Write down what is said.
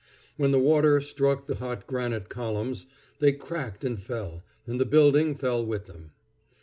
When the water struck the hot granite columns, they cracked and fell, and the building fell with them.